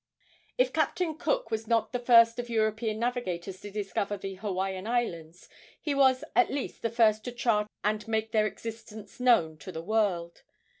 If Captain Cook was not the first of European navigators to discover the Hawaiian Islands, he was at least the first to chart and make their existence known to the world.